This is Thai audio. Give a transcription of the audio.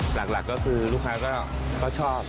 หลักก็คือลูกค้าก็ชอบ